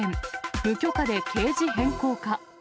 無許可でケージ変更か。